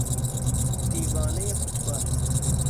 دیوانهی فوتبال